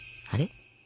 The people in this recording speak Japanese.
あれ？